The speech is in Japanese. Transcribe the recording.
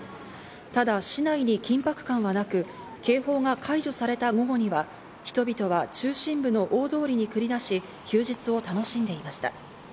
ただ市内に緊迫感はなく、警報が解除された午後には人々は中心部の大通りに繰り出し、休日を楽しんでいました。